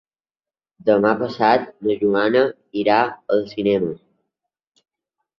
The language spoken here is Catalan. Demà passat na Joana irà al cinema.